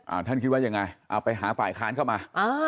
ท่านคิดว่ายังไงเอาไปหาฝ่ายค้านเข้ามาอ่า